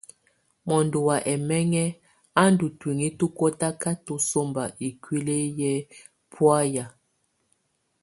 Mɔndɔ wá ɛmɛŋɛ á ndù tuinyii tú kɔtakatɔ sɔmba ikuili yɛ bɔ̀áya.